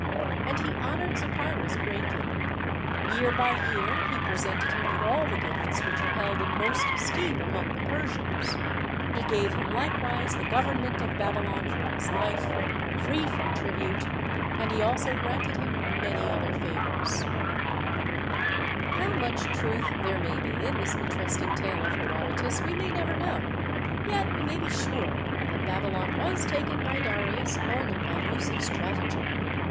And he honoured Zopyrus greatly; year by year he presented him with all the gifts which are held in most esteem among the Persians; he gave him likewise the government of Babylon for his life, free from tribute, and he also granted him many other favours. (Book III., chapters 150 160.) How much truth there may be in this interest ing tale of Herodotus, we may never know, yet we may be sure that Babylon was taken by Darius only by use of stratagem.